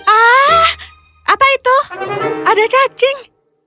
ah apa itu ada cacing